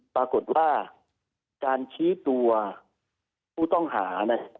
ปรากฏว่าการชี้ตัวผู้ต้องหา